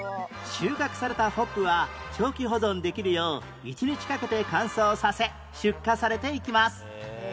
収穫されたホップは長期保存できるよう一日かけて乾燥させ出荷されていきます